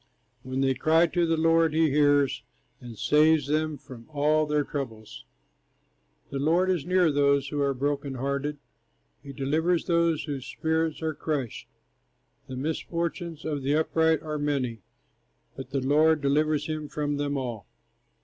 When they cry to the Lord, he hears, And saves them from all their troubles. The Lord is near those who are broken hearted, He delivers those whose spirits are crushed. The misfortunes of the upright are many, But the Lord delivers him from them all.